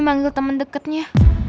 manggil temen deketnya